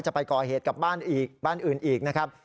จะไปก่อเหตุกับบ้านอื่นอีกนะครับ